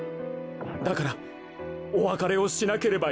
だからおわかれをしなければいけない。